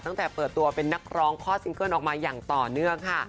ตั้งแต่เปิดตัวเป็นนักร้องคลอดซิงเกิ้ลออกมาอย่างต่อเนื่องค่ะ